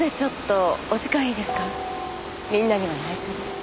みんなには内緒で。